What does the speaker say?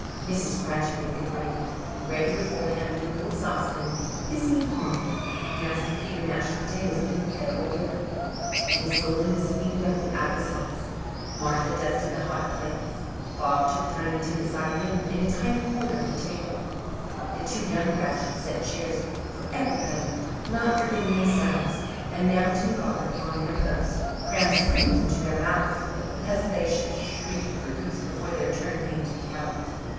Mrs. Cratchit made the gravy (ready beforehand in a little saucepan) hissing hot; Master Peter mashed the potatoes with incredible vigour; Miss Belinda sweetened up the apple sauce; Martha dusted the hot plates; Bob took Tiny Tim beside him in a tiny corner at the table; the two young Cratchits set chairs for everybody, not forgetting themselves, and, mounting guard upon their posts, crammed spoons into their mouths, lest they should shriek for goose before their turn came to be helped.